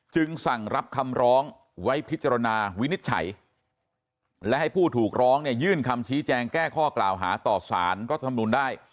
สั่งรับคำร้องไว้พิจารณาวินิจฉัยและให้ผู้ถูกร้องเนี่ยยื่นคำชี้แจงแก้ข้อกล่าวหาต่อสารรัฐธรรมนุนได้